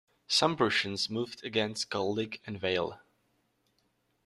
Some Prussians moved against Kolding and Vejle.